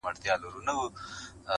له پردي جنګه یې ساته زما د خاوري ,